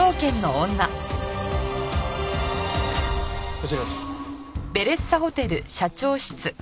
こちらです。